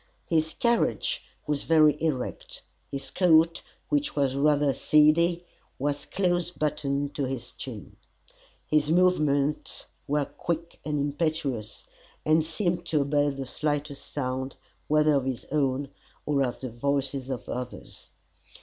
His carriage was very erect; his coat, which was rather seedy, was close buttoned to his chin. His movements were quick and impetuous, and seemed to obey the slightest sound, whether of his own, or of the voices of others.